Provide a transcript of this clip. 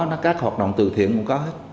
nó các hoạt động từ thiện cũng có hết